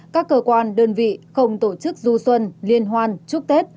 các cơ quan đơn vị không tổ chức du xuân liên hoan chúc tết